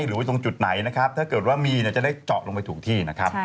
หรือว่าตรงจุดไหนนะครับถ้าเกิดว่ามีเนี่ยจะได้เจาะลงไปถูกที่นะครับ